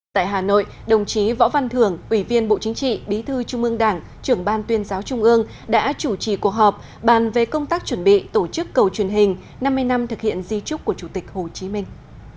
tại hà nội đồng chí võ văn thường ủy viên bộ chính trị bí thư trung ương đảng trưởng ban tuyên giáo trung ương đã chủ trì cuộc họp bàn về công tác chuẩn bị tổ chức cầu truyền hình năm mươi năm thực hiện di trúc của chủ tịch hồ chí minh